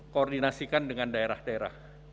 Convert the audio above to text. koordinasikan dengan daerah daerah